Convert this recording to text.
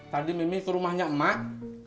tadi mimi ke rumahnya emak